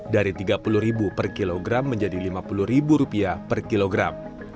dari rp tiga puluh per kilogram menjadi rp lima puluh per kilogram